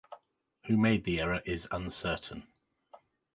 Who made the error is uncertain.